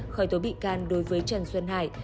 khởi tố bị can đối với trần xuân hải